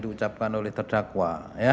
diucapkan oleh terdakwa